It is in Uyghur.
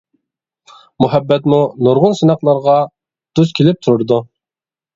مۇھەببەتمۇ نۇرغۇن سىناقلارغا دۇچ كېلىپ تۇرىدۇ.